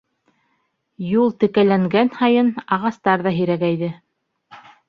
Юл текәләнгән һайын, ағастар ҙа һирәгәйҙе.